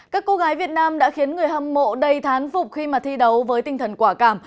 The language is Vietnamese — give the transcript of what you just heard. các cô gái việt nam đã khiến người hâm mộ đầy thán phục khi mà thi đấu với tinh thần quả cảm